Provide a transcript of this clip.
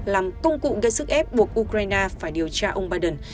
làm công cụ gây sức ép buộc ukraine phải điều tra ông biden